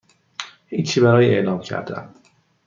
هیچی برای اعلام کردن